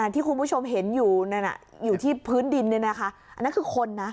ที่คุณผู้ชมเห็นอยู่ที่พื้นดินอันนั้นคือคนนะ